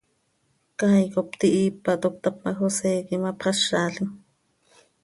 Caay cop tihiipa, toc cötap ma, José quih imapxázalim.